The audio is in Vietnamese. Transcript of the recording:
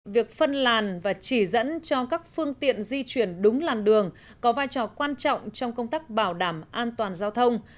việc phân làn và chỉ dẫn cho các phương tiện di chuyển đúng làn đường có vai trò quan trọng trong công tác bảo đảm an toàn giao thông